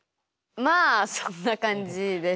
まあそんな感じです。